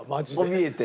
おびえて？